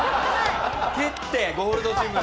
蹴ってゴールドジム？